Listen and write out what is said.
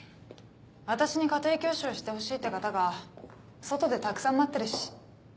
私に家庭教師をしてほしいって方が外でたくさん待ってるし。